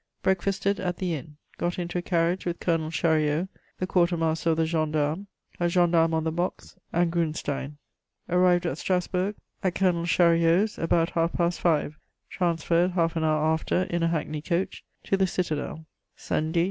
Breakfasted at the inn. Got into a carriage with Colonel Chariot, the quarter master of the gendarmes, a gendarme on the box and Grunstein. Arrived at Strasburg, at Colonel Chariot's, about half past five. Transferred half an hour after, in a hackney coach, to the citadel. .......